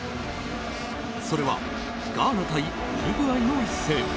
それはガーナ対ウルグアイの一戦。